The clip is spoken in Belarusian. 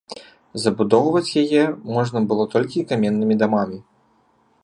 Забудоўваць яе можна было толькі каменнымі дамамі.